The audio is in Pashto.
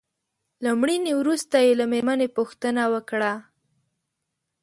له مړینې وروسته يې له مېرمنې پوښتنه وکړه.